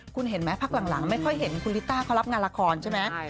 คุณเห็นไหมพักหลังไม่ค่อยเห็นคุณลิต้าเขารับงานละครใช่ไหม